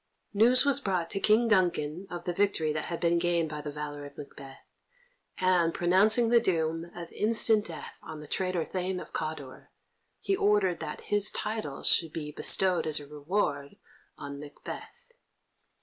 News was brought to King Duncan of the victory that had been gained by the valour of Macbeth, and, pronouncing the doom of instant death on the traitor Thane of Cawdor, he ordered that his title should be bestowed as a reward on Macbeth.